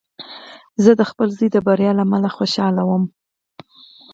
زه د خپل زوی د بري له امله خوشحاله وم.